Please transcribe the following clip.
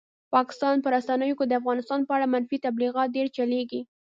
پاکستان په رسنیو کې د افغانستان په اړه منفي تبلیغات ډېر چلېږي.